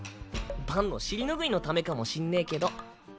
バンの尻拭いのためかもしんねぇけど。